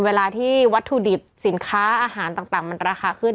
เวลาที่วัตถุดิบสินค้าอาหารต่างมันราคาขึ้น